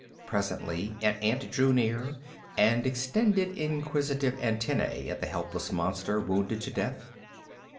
Presently an ant drew near and extended inquisitive antennæ at the helpless monster wounded to death.